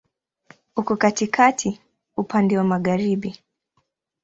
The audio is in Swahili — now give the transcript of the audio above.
Uko katikati, upande wa magharibi.